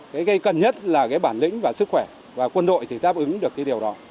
cái cần nhất là bản lĩnh và sức khỏe và quân đội thì táp ứng được điều đó